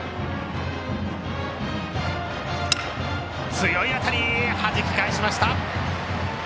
強い当たり、はじき返しました。